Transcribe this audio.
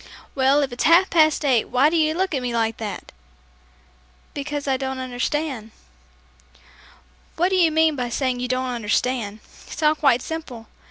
"Well, if it's half past eight why do you look at me like that?" "Because I don't understand." "What do you mean by saying you don't understand? It's all quite simple.